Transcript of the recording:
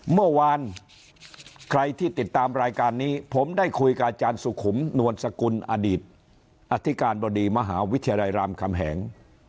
เมื่อวานใครที่ติดตามรายการนี้ผมได้คุยกับอาจารย์สุขุมนวลสกุลอดีตอธิการบดีมหาวิทยาลัยรามคำแหง